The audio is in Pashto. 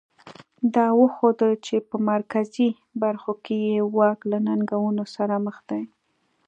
دا وښودل چې په مرکزي برخو کې یې واک له ننګونو سره مخ دی.